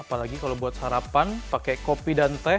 apalagi kalau buat sarapan pakai kopi dan teh